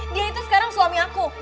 dia itu sekarang suami aku